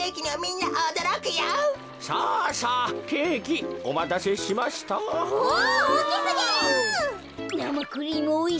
なまクリームおいしそう。